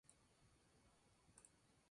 Hickman fue condenado e ingresó en prisión.